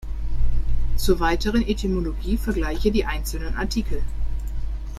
Zur weiteren Etymologie vergleiche die einzelnen Artikel.